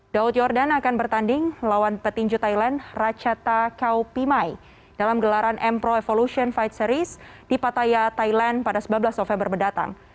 daud yordan akan bertanding melawan petinju thailand rachata kaupimai dalam gelaran m pro evolution fight series di pataya thailand pada sembilan belas november mendatang